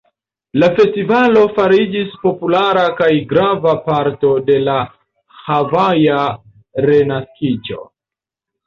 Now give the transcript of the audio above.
La festivalo fariĝis populara kaj grava parto de la havaja renaskiĝo.